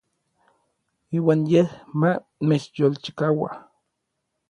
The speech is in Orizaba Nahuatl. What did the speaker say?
Iuan yej ma mechyolchikaua.